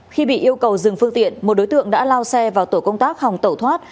khi bị yêu cầu dừng phương tiện một đối tượng đã lao xe vào tổ công tác hòng tẩu thoát